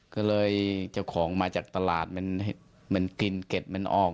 ก็เลยเจ้าของมาจากตลาดมันกินเก็ดมันออก